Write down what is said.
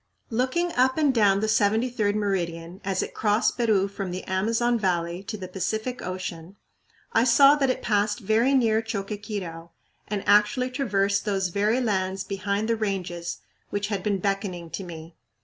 Looking up and down the 73d meridian as it crossed Peru from the Amazon Valley to the Pacific Ocean, I saw that it passed very near Choqquequirau, and actually traversed those very lands "behind the Ranges" which had been beckoning to me.